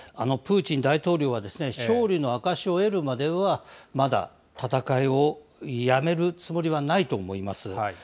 プーチン大統領は、勝利の証しを得るまでは、まだ戦いをやめるつもりはないと思います。